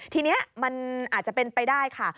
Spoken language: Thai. ทีนี้มันอาจจะเป็นไปได้ค่ะ